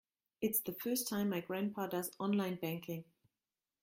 It's the first time my grandpa does online banking.